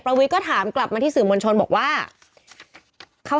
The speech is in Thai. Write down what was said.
อ่าอ่าอ่าอ่าอ่า